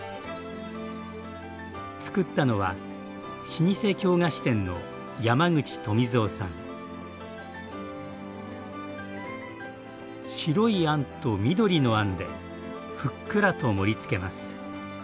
つくったのは老舗京菓子店の白いあんと緑のあんでふっくらと盛りつけます。